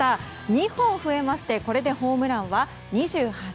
２本増えましてこれでホームランは２８。